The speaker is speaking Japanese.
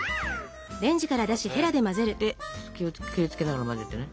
で気を付けながら混ぜてね。